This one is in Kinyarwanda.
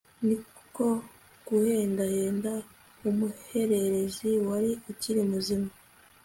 ni ko guhendahenda umuhererezi wari ukiri muzima